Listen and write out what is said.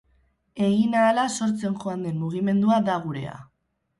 Egin ahala sortzen joan den mugimendua da gurea.